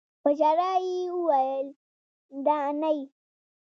په ژړا يې وويل نانىه.